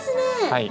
はい。